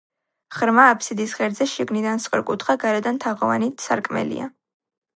ღრმა აფსიდის ღერძზე შიგნიდან სწორკუთხა, გარედან თაღოვანი სარკმელია.